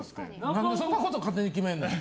何でそんなこと勝手に決めるの。